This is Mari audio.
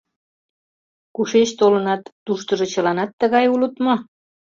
Кушеч толынат, туштыжо чыланат тыгай улыт мо?